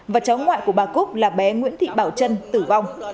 và cháu ngoại của bà cúc là bé nguyễn thị bảo trân tử vong